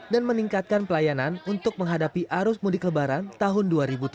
dan meningkatkan pelayanan untuk menghadapi arus mudik lebaran tahun dua ribu tujuh belas